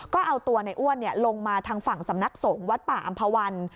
ก็เอาตัวในอ้วนลงมาทางฝั่งสำนักสงฆ์วัดป่าอำภาวัน